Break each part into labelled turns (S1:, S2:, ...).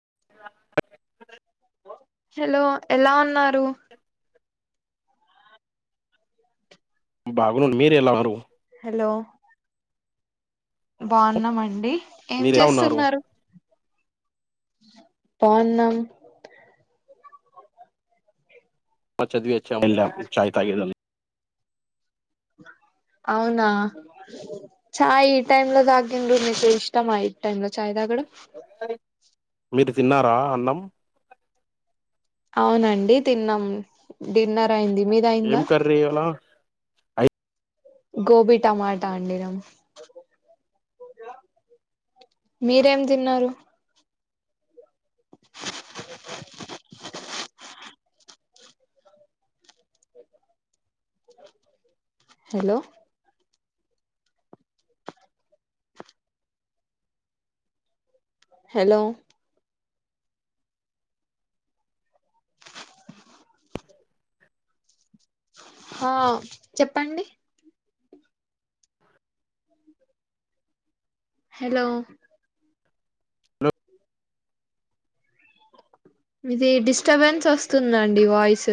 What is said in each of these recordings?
S1: అ
S2: hello ఎలా ఉన్నార్ టు
S1: బాగుండి మీరు ఎలావరు
S2: హలో బాగున్నామండి ఏం
S1: మీరు ఎలా ఉన్నారు
S2: చేస్తున్నారు పోన్నాం
S1: మచ్చ అ మ చాయ తాగి
S2: అవునా చాయ్ ఈ టైమ్ లో తాగిండ్రు మీకు ఇష్టమా ఈ టై లో చాయ్ తాగడం
S1: మీరు తిన్నారా అన్నం
S2: అవునండి తిన్నాం డిన్నర్ అయింది మీది
S1: ఏం
S2: అయిందా
S1: క్రీ అలా
S2: గోబీ టమాటా అండిర మీరేం తిన్నారు హలో హలో ఆ చెప్పండి హలో ఇది డిస్టర్బెన్స్ వస్తుందండి వాయిస్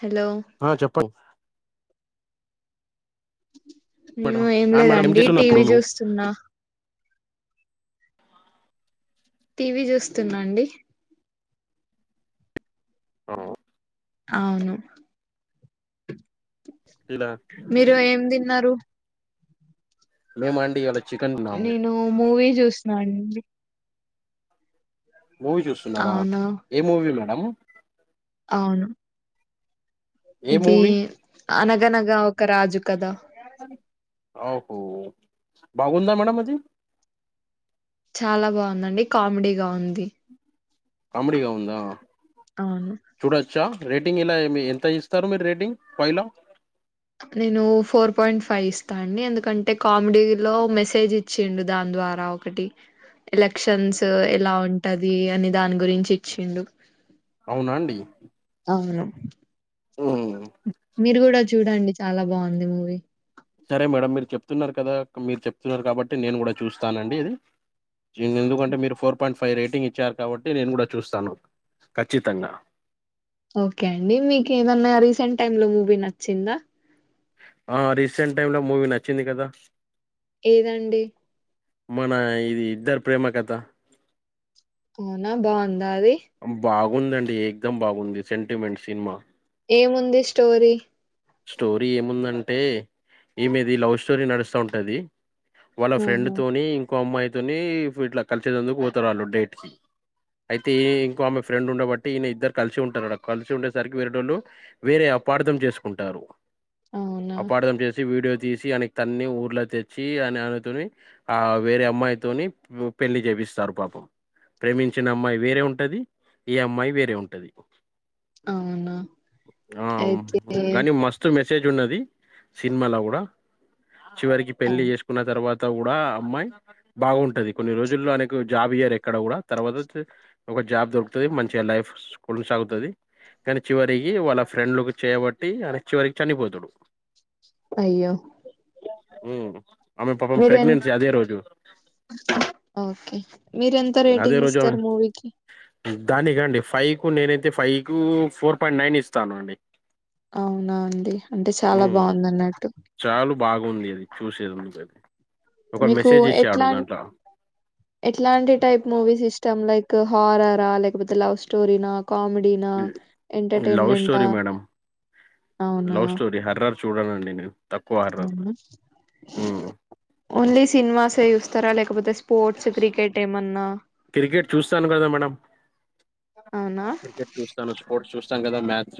S2: హలో
S1: ప మేడం
S2: ఏం
S1: ఆ మేడం
S2: లేదండి
S1: చేస్తున్నారు ఇప్పుడు
S2: టీవీ
S1: నువ్వు
S2: చూస్తున్నా టీవీ చూస్తున్నాండి
S1: ఆ
S2: అవును
S1: ఇలా
S2: మీరు ఏమిది న్నరు
S1: మేముండి ఇళ చికెన్న్నాము
S2: చూస్తున్నా అండి
S1: మూవీ చూస్తున్నారా
S2: అవునా
S1: ఏ మూవీలో నవు
S2: అవును
S1: ఏ
S2: ఇది
S1: మూవీ
S2: అనగనగా ఒక రాజు కదా
S1: ఓహో బాగుందా మేడం అది
S2: చాలా బాగుందండి కామెడీగా ఉంది
S1: కామెడిగా ఉందా
S2: అవును
S1: చూడొచ్చా రేటింగ్ ఇలా మి ఎంత ఇస్తారు మీరు రేటింగ్ ఫైల్లో
S2: నేను ఫోర్ పాయింట్ ఫైవ్ ఇస్తా అండి ఎందుకంటే కామెడీలో మెసేజ్ ఇచ్చిండు దాని ద్వారా ఒకటి ఎలక్షన్స్ ఎలా ఉంటా ది అని దాని గురించి ఇచ్చిండు
S1: అవునా అండి
S2: అవును
S1: ఉమ్,
S2: మీరు కూడా చూడండి చాలా బాగుంది మూవీ
S1: సరే మేడం మీరు చెప్తున్నారు కదా మీరు చెప్తున్నారు కాబట్టి నేను కూడా చూస్తానండి ఇది నిన్నెందుకంటే మీరు ఫోర్ పాయింట్ ఫైవ్ రేటింగ్ ఇచ్చారు కాబట్టి నేను కూడా చూస్తాను ఖచ్చితంగా
S2: ఓకే అండి మీకు ఏదన్నా రీసెంట్ టైమ్ లో మూవీ నచ్చిందా
S1: ఆ రీసెంట్ టైమ్ లో మూవీ నచ్చింది కదా
S2: ఏదండి
S1: మన ఇది ఇద్దరు ప్రేమ కథ
S2: అవునా బాగుంది ఉండది
S1: బాగుందండి ఎక్దమ్ బాగుంది సెంటిమెంట్ సినిమా
S2: ఏముంది స్టోరీ
S1: స్టోరీ ఏముందంటే ఈమెది ఈ లవ్ స్టోరీ నడుస్తా ఉంటది వాళ్ళ ఫ్రెండ్
S2: ఆహా
S1: తోని అమ్మాయితోని ఇట్లా కలిసేందుకు పోతారు వాళ్ళు డేట్ కి అయితే ఇంకో ఆమె ఫ్రెండ్ ఉండబట్టి ఈయన ఇద్దరు కలిసి ఉంటారు కలిసి ఉండేరికి వేరేోళ్ళు వేరే అపార్థం చేసుకుంటారు
S2: అవునా
S1: అపార్థం చేసి వీడియో తీసి ఆనకి తన్ని ఊర్లో తెచ్చి అని అనతో ఆ వేరే అమ్మాయితోని పెళ్లి చేపిస్తారు పాపం ప్రేమించిన అమ్మాయి వేరే ఉంటది ఈ అమ్మాయి వేరే ఉంటది
S2: అవునా
S1: ఆ
S2: అయితే
S1: కాగానీ మస్తు మె మెటేజ్ ఉన్నది సినిమాలో కూడా చివరికి పెళ్లి
S2: అవ్
S1: చేసుకున్న తర్వాత కూడా అమ్మాయి బాగుంటది కొన్ని రోజుల్లో అనకు జాబ్ ఇయ్యారు ఎక్కడ కూడా తర్వాత ఒక జాబ్ దొరు మంచిగా లైఫ్ కొనసాగుతుంది కానీ చివరికి వాళ్ళ ఫ్రెండ్ లకు చేయబట్టి అ చివరికి చనిపోతాడు
S2: అయ్యో
S1: ఉమ్. ఆమె పాపం
S2: మీర ఎ
S1: ప్రెగ్నెన్సీ అదే రోజు
S2: ఓకే మీర ఎంత
S1: అదే
S2: రేటింగ్
S1: రోజు ఆమె
S2: ఇస్తారు మూవీకి
S1: దానికండి ఫైవ్ కు నేనైతే ఫైవ్ కు ఫోర్ పాయింట్ నైన్ ఇస్తాను అండి
S2: అవునా అండి అంటే చాలా
S1: హ్మ్.
S2: బాగుంది అన్నట్టు
S1: చూష కే ఒక మెసేజ్ ఇచ్చి
S2: ఎట్లాం
S1: అడుగుదంట
S2: ఎట్లాంటి టైప్ మూవీస్ ఇష్టం లైక్ హారరా లేకపోతే లవ్ స్టోరీ నా
S1: love story madam love story horror చూడనండి నేను తక్కువ హర్రర్ హ్మ్.
S2: ఎంటలీ సిని కొబదస్ స్పోర్ట్స్ క్రికెట్ అన్నా
S1: క్రికెట్ చూస్తాను కదా మేడం
S2: అవునా
S1: క్రికెట్ చూస్తాను చ చూస్తా చూసాం కదా మ్యాచ్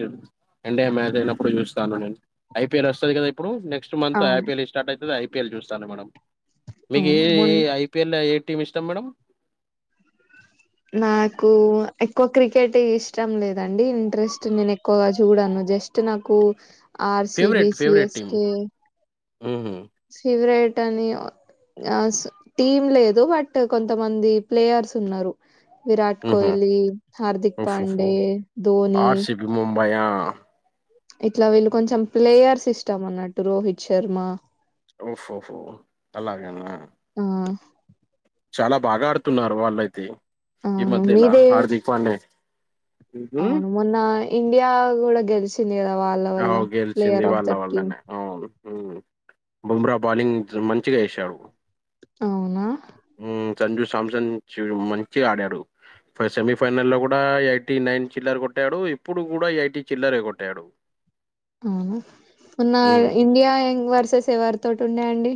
S1: ఇండియా మ్యాచ్ అయినప్పుడు చూస్తాను నేను ఐపీఎల్ వస్తుంది కదా ఇప్పుడు నెక్స్ట్
S2: అవును
S1: నక్స్ట్ంత్ఐపీల్ స్ర్ట్ అవుతు ఐ ళ్ళ చూస్తాను మేడం మీగ
S2: అవును
S1: ఏ
S2: మొన్
S1: ఐపిఎల్ ఏ టీమ్ ఇష్టం మేడంమ్
S2: నాకు ఎక్కువ క్రికెట్ ఇష్టం లేదండి ఇంట్రెస్ట్ నేను ఎక్కువగా చూడాను జస్ట్ నాకు R C B
S1: favourite
S2: C
S1: favourite
S2: yes
S1: team
S2: కే
S1: హుహు.
S2: ఫేవరెట్ అని టీమ్ లేదు బట్ కొంతమంది ప్లేయర్స్ ఉన్నారు విరాట్
S1: హుహు.
S2: కోహలీ హార్దిక్ ప పాండే ధోని
S1: మయా
S2: ఇట్లా వీళ్ళు కొంచెం ప్లేయర్స్ ఇస్తాం అన్నట్టు రోహిత్ శర్మ
S1: ఓహహో అలాగనా
S2: ఆ
S1: చాలా బాగా ఆడుతున్నారు వాళ్ళయితే ఈ
S2: అవును
S1: మధెలా
S2: మీదే
S1: హార్దిక్ పానే
S2: అవును మొన్న ఇండియా కూడా గెలిచింది కదా వాళ్ళ వల్ల
S1: అవు
S2: ప్లేయర్ ఆఫ్ ద టీమ్
S1: మ్మ్ బుమ్రా బౌలిింగ్ మంచిగా వేసాడు
S2: అవునా
S1: సంజు సామ్సన్ మంచి ఆడాడు సెమీఫైనల్ లో కూడా ఐటి నైన్ చిల్లర్ కొట్టాడు ఇప్పుడు కూడా ఐటి చిల్లర కొట్టాడు
S2: అవునా నిన్న
S1: హ్మ్.
S2: ఇండియా యాంగ్ వర్సెస్ ఎ వ తోటి ఉన్నాయండి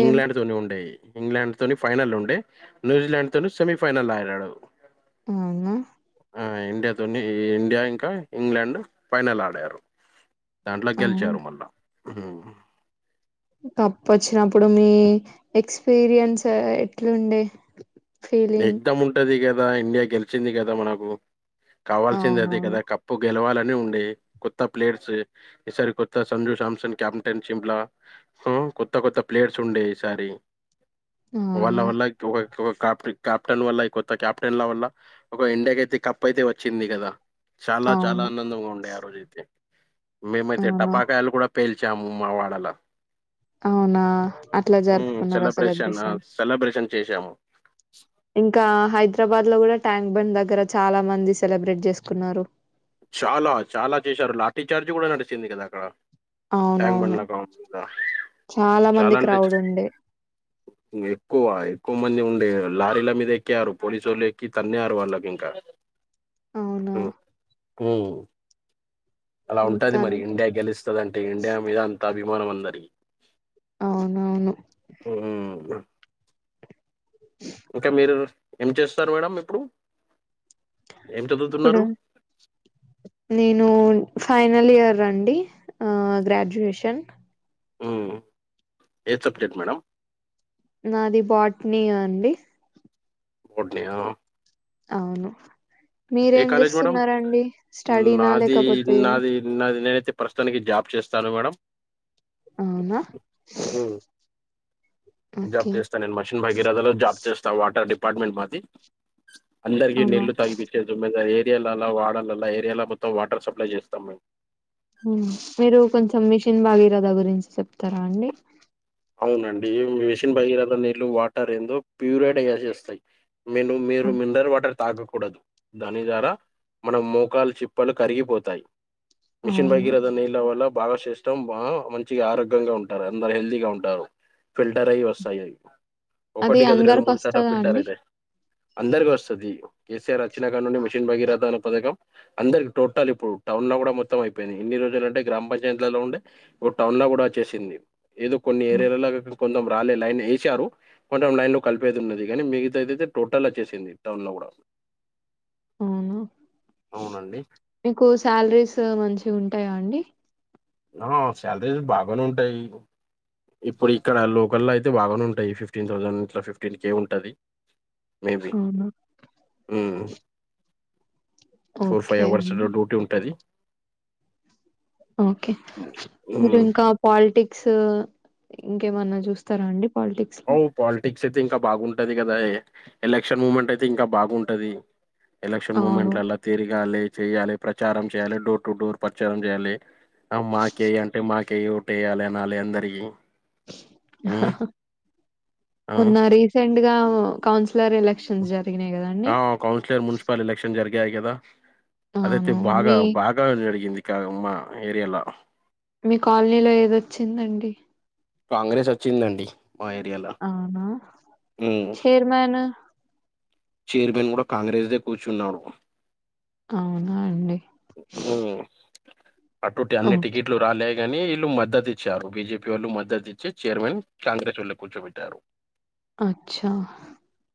S1: ఇంగ్లండ్ తిని ఉండేది ఇంగ్లాండ్ తోని ఫైనల్ ఉండే న్యూజిలాండ్ తోని సెమీఫైనల్ ఆడీనాడు
S2: మ్మ్
S1: ఇండియాతోని ఇండియా ఇంకా ఇంగ్లాండ్ ఫైనల్ ఆడారు దాంట్లో
S2: అవును
S1: గెలిచారు మళ్ళా మ్మ్ హ్మ్
S2: తప్పు వచ్చినప్పుడు మీ ఎక్స్పీరియన్స్ ఎట్లుండే ఫీలింగ్
S1: ఎగదమ్ ఉంటది కదా ఇండియా గెలిచింది కదా మనకు కావాల్సింద అదే కదా
S2: అవునవును
S1: కప్పు గెలవాల ఉండే కొత్త ప్లేయర్స్ ఈసారి కొత్త సంజూ శామ్సన్ కెప్టెన్ షిప్లా కొత్త కొత్త ప్లేయర్స్ ఉండే ఈసారి వల్ల
S2: అవును
S1: వల్ల క్లూ హ్యాపీ క్యాప్టెన్ వల్ల ఈ కొత్త క్యాప్టెన్ల వల్ల ఒక ఇండియాకి అయితే కప్ అయితే వచ్చింది కదా చాలా చాలా
S2: అవును
S1: ఆనందంగా ఉండే ఆ రోజు అయితే. మేమైతే
S2: అవును
S1: టపాకాయలు కూడా ప్పేల్చ ముమావాడాలా
S2: అవునా అట్లా జరుపుకున్నారా
S1: ఆ!
S2: సెలబ్రేషన్
S1: సెలబ్రేషన్ చేశాము.
S2: ఇంకా హైదరాబాద్ లో కూడా ట్యాంక్ బండ్ దగ్గర చాలా మంది సెలబ్రేట్ చేసుకున్నారు
S1: చాలా చాలా చేశారు లాటి చర్జ్ కూడా నడిసింది కదా అక్కడ ట్యాక్
S2: అవునవును
S1: బండ్ల
S2: మంది
S1: చాలా అంటే
S2: క్రౌడ్ ఉండే
S1: ఎక్కువ ఎక్కువ మంది ఉండ లారీల మీద ఎక్కిరు పోలీసు వాళ్ళు ఎక్కి తన్నే ఆరు వాళ్ళకి ఇంకా
S2: అవునా
S1: హ్మ మ్మ్ అలా ఉంటది మరి
S2: మొత్తానికి
S1: ఇండియా గెలుస్తుంది అంటే ఇండియా మీద అంతా విమానం వందరిగి
S2: అవునవును
S1: మ్మ్ హ్మ్ ఇంకా మీరు. ఏం చేస్తారు మేడం ఇప్పుడు. ఏం
S2: ఇప్పుడు
S1: చదువుతున్నారు?
S2: నేను. ఫైనల్ ఇయర్ అండి ఆహ్ గ్రాడ్యుయేషన్.
S1: ఉమ్ ఏ సబ్జెక్ట్ మేడం.
S2: నాది బోటనీ అండి.
S1: Botany yeah.
S2: అవును. మీరేం
S1: కాలేజ్ మేడం?
S2: చేస్తున్నారండి స్టడీనా
S1: నాది,
S2: లేకపోతే.
S1: నాది, నాది నేనైతే ప్రస్తుతానికి జాబ్ చేస్తాను మేడం.
S2: అవునా.
S1: హ్మ్. జాబ్
S2: ఓకే
S1: చేస్తా నేను మెషిన్ భగీరథ లో జాబ్ చేస్తా. వాటర్ డిప్ డిపార్ట్మెంట్ మాది. అందరికీ
S2: అవునా
S1: నీల్లు తాగిపిచ్చేది దుమాదే త్ ఏరియాలల్లా, వార్డులల్లా, ఏరియాలో మొత్తం వాటర్ సప్లై చేస్తాం మేము.
S2: ఉమ్ మీరు కొంచెం మిషన్ భాగీరథ గురించి చెప్తారా అండి.
S1: అవునండి మిషన్ భగీరథ నీళ్లు వాటర్ ఏందో ప్యూరైడ్ అయ్యేలా చేస్తాయి. ను మీరు
S2: ఆ,
S1: మీరు మినరల్ వాటర్. తాగకూడదు దాని ద్వారా మన మోకాలు చిప్పలు కరిగిపోతాయి. మిషన్
S2: అవును
S1: భగీరథ నీళ్ల వల్ల. బాగా శ్రేష్టం బాగా మంచిగా ఆరోగ్యంగా ఉంటారు. అందరు హెల్దీగా ఉంటా ఫిల్టర్ అయ్యి వస్తాయి అవి.
S2: అది
S1: ఒకటి కాదు రెండు
S2: అందరికి
S1: మూడు సార్లు
S2: వస్తదా
S1: ఫిల్టర్
S2: అండి
S1: అయితాయి. అందరికి వస్తది కేసీఆర్ వచ్చినా కాడి నుండి మిషిన్ భగీరథ పథకం అందరికి టోటల్ ఇప్పుడు టౌన్ లా కూడా మొత్తం అయిపోయినాయి ఇన్ని రోజులు అంటే గ్రామ పంచాయతీలల్లో ఉండే ఇప్పుడు టౌన్ లా కూడా వచ్చేసింది ఏదో. కొన్ని
S2: ఆ,
S1: ఏరియాల లాగా కొంచం రాలే లైన్ వేసారు. కొంచెం లైన్ లో కలిపేది ఉన్నది. కానీ మిగతాదయితే టోటల్ వచ్చేసింది. టౌన్ లో కూడా
S2: అవునా.
S1: అవునండి
S2: మీకు శాలరీస్ మంచిగుంటు ఉంటాయా అండి.
S1: ఆహ్ సాలరీస్ బాగానే ఉంటాయి. ఇప్పుడు ఇక్కడ లోకల్లో అయితే బాగానే ఉంటాయి. ఫిఫ్టీన్ థౌజండ్ ఇట్లా ఫిఫ్టీన్ కే ఉంటది. మేబి
S2: అవునా
S1: ఉమ్మ్ ఫోర్ ఫైవ్
S2: ఓకే
S1: అవర్స్
S2: అండి
S1: డ్యూటీ ఉంటది.
S2: ఓకే మీరు ఇంకా పాలిటిక్స్. స్ ఇంకేమన్నా చూస్తారా అండి. పాలిటిక్స్
S1: నో
S2: లో
S1: పాలిటిక్. తే ఇంకా బాగుంటది కదా ఎలక్షన్ మూమెంట్ అయితే ఇంకా బాగుంటది ఎలక్షన్
S2: అవును
S1: మూమెంట్లలా తిరగాలే చెయ్యాలే ప్రచారం చేయాలి డోర్ టు డోర్ ప్రచారం చేయాలి ఆ మాకే అంటే మాక కే ఓటేయ్యాలే అనలే అందరి ఆ!
S2: ఉన్న రీస ట్ గా కౌన్సీ లర్ ఎలక్షన్స్ జరిగినాయి కదండి
S1: గ కదా అదైతే బాగా భాగా అడిగింది మా ఏరియాలో
S2: మీ కాలనీలో ఏదొచ్చిందండి
S1: కాంగ్రెస్ వచ్చిందండి మా ఏరియాలో.
S2: అవునా
S1: హ్మ్.
S2: చైర్మను
S1: చైర్మన్ కూడా కాంగ్రెస్ దే కూర్చున్నాడు
S2: అవునా అండి
S1: అటూటి
S2: ఓకే.
S1: అన్నిటిెట్లు రాాలే కానీ వీళ్ళు మద్దతు ఇచ్చారు బిజేపి వాళ్ళు మద్దతు ఇచ్చి చైర్మన్ కాంగ్రెస్ వాళ్ళు కూర్చోబెట్టారు
S2: అచ్చా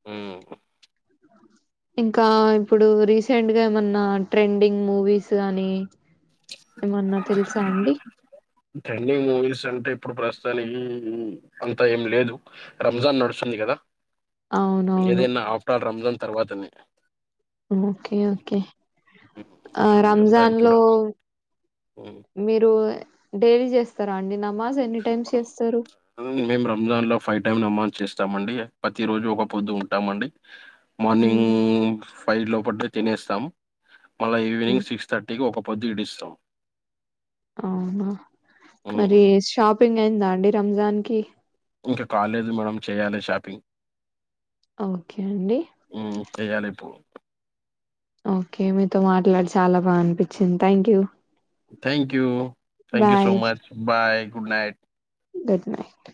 S1: ఉ
S2: ఇంకా ఇప్పుడు రీసెంట్ గా ఏమన్నా ట్రెండింగ్ మూవీస్ కానీ ఏమన్నా తెలుసా అండి
S1: ట్రెండింగ్ మూవీస్ అంటే ఇప్పుడు ప్రస్తుతానికి అంతా ఏం లేదు రంజాన్ నడుస్తుంది కదా
S2: అవునవును.
S1: ఏదదైనా ఆఫ్టర్ రంజాన్ తర్వాతనే
S2: ఓకే ఓకే
S1: ఉమ్. ఇప్పుడు అంతా ఏం
S2: రంజాన్
S1: చూడ
S2: లో
S1: ఉమ్.
S2: మీరు డైలీ చేస్తారా అండి నా
S1: మేము రంజాన్ లో ఫైవ్ టైమ్ నమాస్ చేస్తాం స్తామండి ప్రతి రోజు ఒక పొద్దు ఉంటామండి మార్నింగ్
S2: హ్మ్.
S1: ఫైవ్ లో పడ్డ తినేస్తం మళ్ళా
S2: హ్మ్.
S1: ఈవినింగ్ సిక్స్ థర్టీకి ఒక పొద్దిడుస్తామ్
S2: అవునా మరి షాపింగ్ అయిందా అండి రంజాన్ కి
S1: ఇంకా కాలేదు మేడం చేయ్యాలి షాపింగ్
S2: ఓకే అండి
S1: హ్మ్. చేయాలిప్పుడు.
S2: ఓకే మీతో మాట్లాడి చాలా బాగా అనిపించింది thank you
S1: thank you thank you so
S2: bye.
S1: Much bye good night
S2: good night